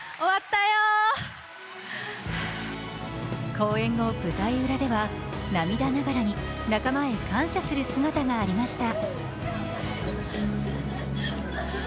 公演後、舞台裏では涙ながらに仲間へ感謝する姿がありました。